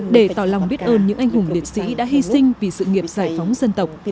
để tỏ lòng biết ơn những anh hùng liệt sĩ đã hy sinh vì sự nghiệp giải phóng dân tộc